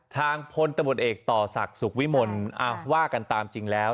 ทางพลตำรวจเอกต่อศักดิ์สุขวิมลว่ากันตามจริงแล้ว